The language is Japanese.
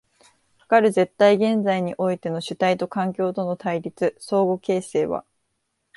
かかる絶対現在においての主体と環境との対立、相互形成は